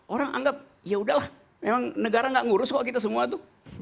orang anggap yaudahlah memang negara nggak ngurus kok kita semua tuh